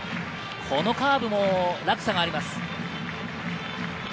このカーブも落差があります。